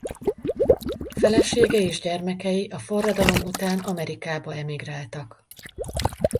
Felesége és gyermekei a forradalom után Amerikába emigráltak.